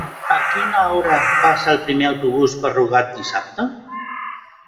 A quina hora passa el primer autobús per Rugat dissabte?